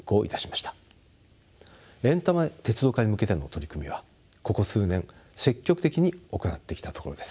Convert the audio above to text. エンタメ鉄道化に向けての取り組みはここ数年積極的に行ってきたところです。